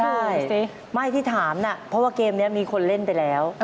ใช่สิไม่ที่ถามนะเพราะว่าเกมนี้มีคนเล่นไปแล้ว